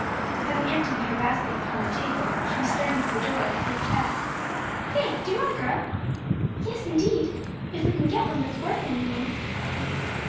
Having emptied her basket upon the table, she was starting for the door, but looked back. "Say, do you want a girl?" "Yes, indeed, if we can get one that's worth anything."